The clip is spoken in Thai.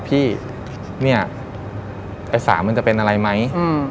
พี่เนี่ยไอ้สาวมันจะเป็นอะไรไหม